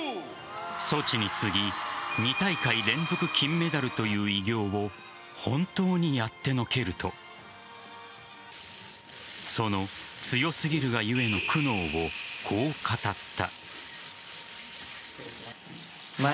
ソチに次ぎ２大会連続金メダルという偉業を本当にやってのけるとその強すぎるがゆえの苦悩をこう語った。